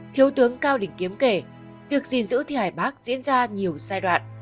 thiếu tướng cao đình kiếm kể việc gìn giữ thi hải bác diễn ra nhiều giai đoạn